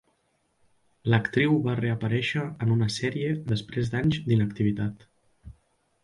L'actriu va reaparèixer en una sèrie després d'anys d'inactivitat.